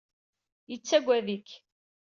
Yettagad-ik.